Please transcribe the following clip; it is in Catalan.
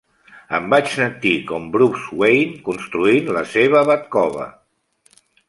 Em vaig sentir com Bruce Wayne construint la seva Batcova.